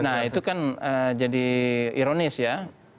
nah itu kan jadi ironis ya